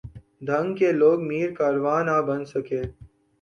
ڈھنگ کے لوگ میر کارواں نہ بن سکے۔